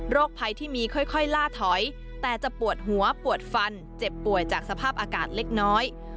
ภัยที่มีค่อยล่าถอยแต่จะปวดหัวปวดฟันเจ็บป่วยจากสภาพอากาศเล็กน้อย